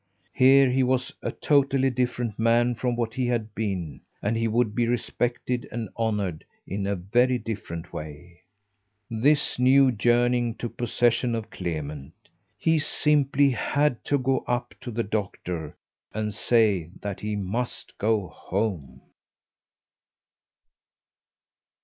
He was a totally different man from what he had been, and he would be respected and honoured in a very different way. This new yearning took possession of Clement. He simply had to go up to the doctor and say that he must go home.